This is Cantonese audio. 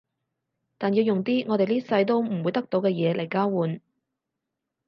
但要用啲我哋呢世都唔會得到嘅嘢嚟交換